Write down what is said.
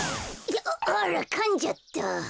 ああらかんじゃった。